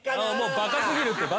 バカすぎるってば。